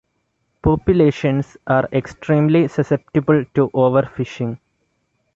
Populations are extremely susceptible to overfishing.